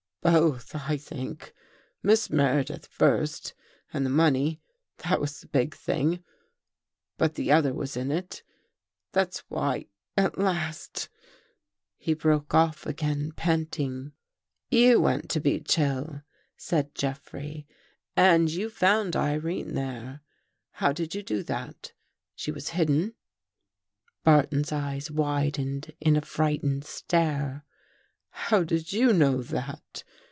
" Both, I think. Miss Meredith first and the money — that was the big thing, but the other was in it. That's why, at last ..." He broke off again, panting. " You went to Beech Hill," said Jeffrey. " And you found Irene there. How did you do that? She was hidden." Barton's eyes widened in a frightened stare. " How did you know that?